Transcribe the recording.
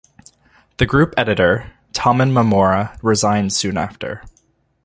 The group editor, Toman Mamora, resigned soon after.